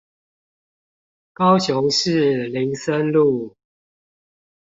高雄市林森路